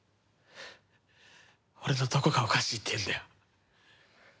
俺のどこがおかしいっていうんだよ。